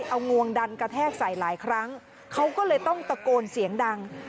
เอางวงดันกระแทกใส่หลายครั้งเขาก็เลยต้องตะโกนเสียงดัง